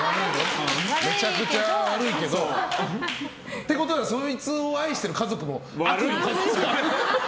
めちゃくちゃ悪いけど。ってことはそいつを愛してる家族も悪。